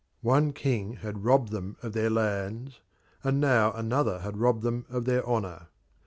One king had robbed them of their lands, and now another had robbed them of their honour.